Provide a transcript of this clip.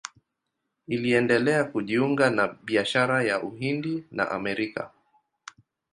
Iliendelea kujiunga na biashara ya Uhindi na Amerika.